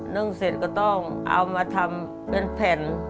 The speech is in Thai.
นึ่งเสร็จก็ต้องเอามาทำเป็นแผ่น